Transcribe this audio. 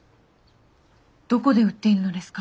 どこで売っているのですか？